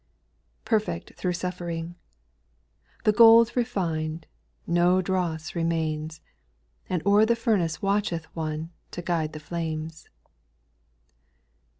' 8. ' Perfect through suffering I The gold refined, No dross remains, And o'er the furnace watcheth One, To guide the flames.